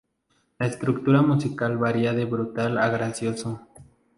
La estructura musical varia de brutal a gracioso.